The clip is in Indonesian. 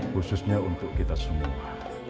khususnya untuk kita semua